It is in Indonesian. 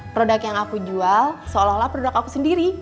produk yang aku jual seolah olah produk aku sendiri